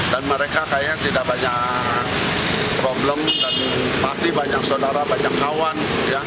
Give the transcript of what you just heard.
dan mereka kayaknya tidak banyak problem dan pasti banyak saudara banyak kawan